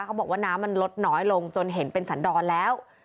เขาบอกว่าน้ำมันลดน้อยลงจนเห็นเป็นสันดรแล้ว